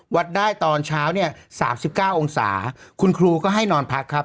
วัดได้ตอนเช้าเนี่ย๓๙องศาคุณครูก็ให้นอนพักครับ